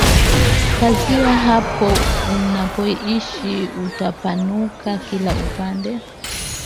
Pazia hapo unapoishi Utapanuka kila upande